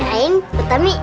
makruh itu enak